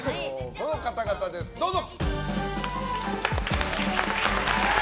この方々です、どうぞ！